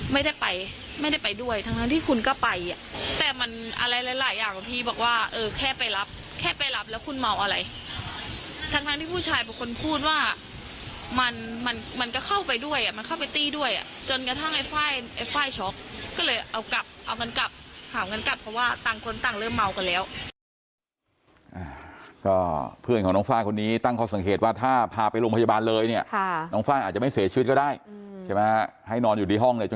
ไม่ได้ไปไม่ได้ไปด้วยทั้งที่คุณก็ไปอ่ะแต่มันอะไรหลายหลายอย่างหลวงพี่บอกว่าเออแค่ไปรับแค่ไปรับแล้วคุณเมาอะไรทั้งทั้งที่ผู้ชายเป็นคนพูดว่ามันมันมันก็เข้าไปด้วยอ่ะมันเข้าไปตี้ด้วยอ่ะจนกระทั่งไอ้ไฟล์ไอ้ไฟล์ช็อกก็เลยเอากลับเอาเงินกลับหาเงินกลับเพราะว่าต่างคนต่างเริ่มเมากันแล้วเนี่ยค่ะน้องไฟล์อาจจะไม่เสียชีวิตก็ได้ใช่ไหม